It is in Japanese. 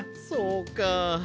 そうか。